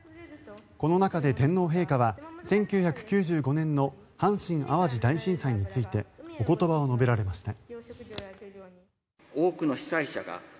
この中で天皇陛下は１９９５年の阪神・淡路大震災についてお言葉を述べられました。